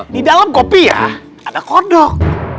di dalam kopi ya ada kodok